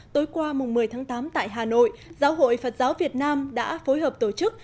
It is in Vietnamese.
tối qua mùng một mươi tháng tám tại hà nội giáo hội phật giáo việt nam đã phối hợp tổ chức